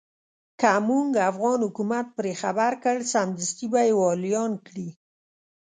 که موږ افغان حکومت پرې خبر کړ سمدستي به يې واليان کړي.